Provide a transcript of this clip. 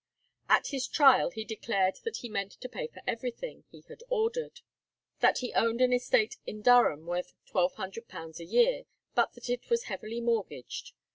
At his trial he declared that he meant to pay for everything he had ordered, that he owned an estate in Durham worth £1200 a year, but that it was heavily mortgaged.